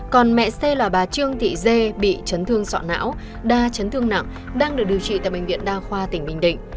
còn mẹ c là bà trương thị dê bị chấn thương sọ não đa chấn thương nặng đang được điều trị tại bệnh viện đa khoa tỉnh bình định